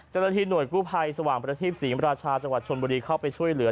เจ้าหน้าที่หน่วยกู้ภัยสว่างประทีปศรีมราชาจังหวัดชนบุรีเข้าไปช่วยเหลือ